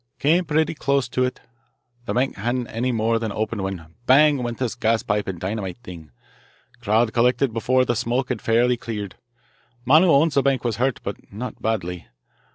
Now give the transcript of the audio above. "Came pretty close to it. The bank hadn't any more than opened when, bang! went this gaspipe and dynamite thing. Crowd collected before the smoke had fairly cleared. Man who owns the bank was hurt, but not badly.